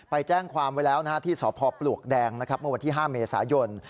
ไปแจ้งความไว้แล้วนะฮะที่สปดนะครับเมื่อวันที่๕เมษายน